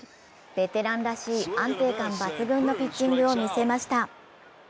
ベテランらしい安定感抜群のピッチングを見せました。